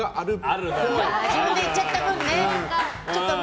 自分で言っちゃった分ね。